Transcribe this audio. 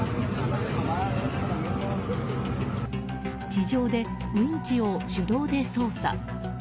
地上でウインチを手動で操作。